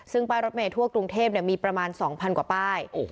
ซึ่งป้ายรถเมย์ทั่วกรุงเทพเนี้ยมีประมาณสองพันกว่าป้ายโอ้โห